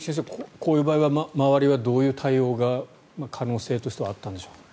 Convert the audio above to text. こういう場合は周りはどういう対応が可能性としてあったんでしょう。